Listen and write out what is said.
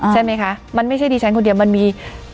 ใช่ไหมคะมันไม่ใช่ดิฉันคนเดียวมันมี